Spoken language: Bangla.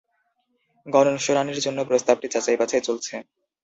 গণশুনানির জন্য প্রস্তাবটি যাচাই বাছাই চলছে।